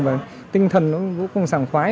và tinh thần nó vô cùng sảng khoái